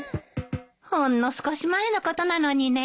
ほんの少し前のことなのにねえ。